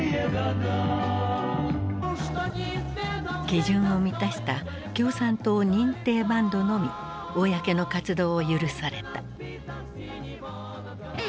基準を満たした共産党認定バンドのみ公の活動を許された。